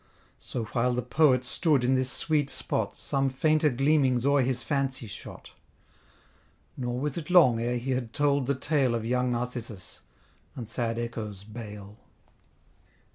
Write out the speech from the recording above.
So while the Poet stood in this sweet spot, Some fainter gleamings o'er his fancy shot; Nor was it long ere he had told the tale Of young Narcissus, and sad Echo's bale.